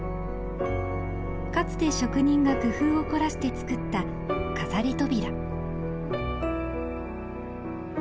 かつて職人が工夫を凝らして作った飾り扉。